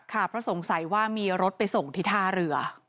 ค่ะเพราะสงสัยว่ามีรถไปส่งทิศาเรือ